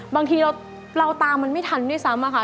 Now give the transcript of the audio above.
บางทีเราตามมันไม่ทันด้วยซ้ำอะค่ะ